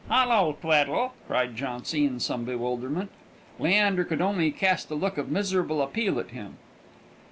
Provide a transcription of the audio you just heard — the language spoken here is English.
"Hullo, Tweddle!" cried Jauncy, in some bewilderment. Leander could only cast a look of miserable appeal at him.